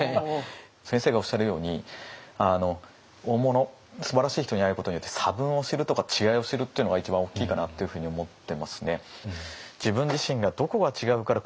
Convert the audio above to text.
先生がおっしゃるように大物すばらしい人に会えることによって差分を知るとか違いを知るっていうのが一番大きいかなというふうに思ってますね。